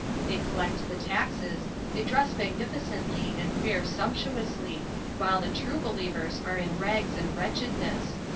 They collect the taxes, they dress magnificently and fare sump tuously, while the true believers are in rags and wretchedness.